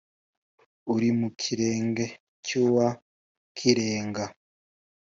uri mu kirenge cy’uwa kirenga